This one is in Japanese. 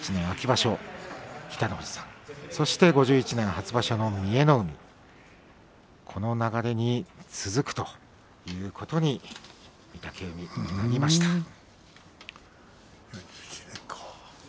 秋場所、北の冨士さんそして５１年初場所の三重ノ海この流れに続くということに御嶽海なりました。